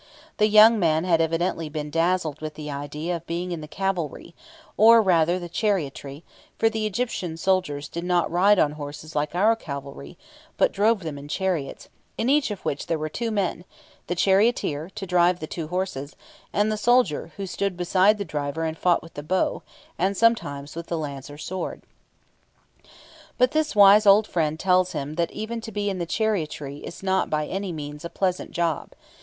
The young man had evidently been dazzled with the idea of being in the cavalry, or, rather, the chariotry, for the Egyptian soldiers did not ride on horses like our cavalry, but drove them in chariots, in each of which there were two men the charioteer, to drive the two horses, and the soldier, who stood beside the driver and fought with the bow, and sometimes with the lance or sword. But this wise old friend tells him that even to be in the chariotry is not by any means a pleasant job.